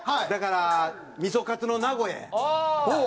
だからみそかつの名古屋や。